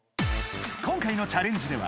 今回のチャレンジでは